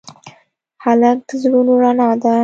هلک د زړونو رڼا ده.